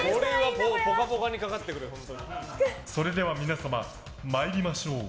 それでは皆様、参りましょう。